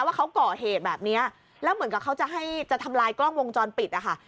ว่าเขาก่อเหตุแบบนี้แล้วเหมือนกับเขาจะให้จะทำลายกล้องวงจรปิดนะคะ